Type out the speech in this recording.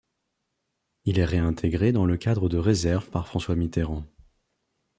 Il est réintégré dans le cadre de réserve par François Mitterrand.